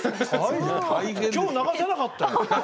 今日流せなかったよ。